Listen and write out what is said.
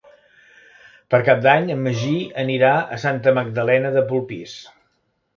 Per Cap d'Any en Magí anirà a Santa Magdalena de Polpís.